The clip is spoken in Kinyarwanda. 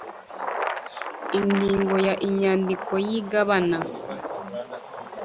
Ingingo ya inyandiko y igabana